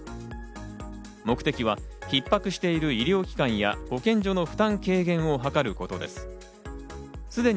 目的は逼迫している医療機関や保健所の負担軽減を図ることです。